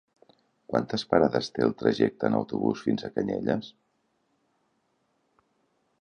Quantes parades té el trajecte en autobús fins a Canyelles?